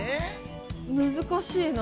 難しいな。